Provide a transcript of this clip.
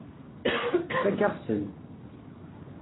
Tfakk-aɣ-ten.